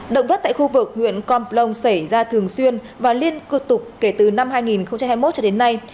động đất tại khu vực huyện con plong xảy ra thường xuyên và liên cư tục kể từ năm hai nghìn hai mươi một cho đến nay